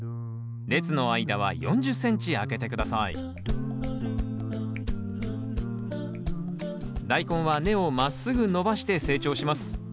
列の間は４０ｃｍ空けて下さいダイコンは根をまっすぐ伸ばして成長します。